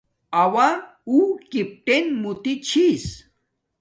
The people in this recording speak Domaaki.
اوݳ اُݸ کݵپٹݵن مُتݶ چھݵس.